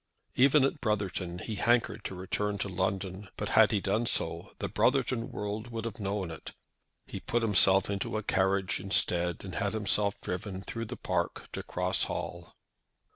Even at Brotherton he hankered to return to London; but, had he done so, the Brotherton world would have known it. He put himself into a carriage instead, and had himself driven through the park to Cross Hall.